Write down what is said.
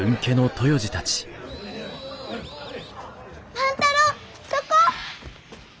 万太郎どこ？